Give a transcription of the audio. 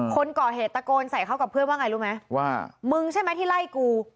คนก่อเหตุตะโกนใส่เขากับเพื่อนว่าไงรู้ไหมว่ามึงใช่ไหมที่ไล่กู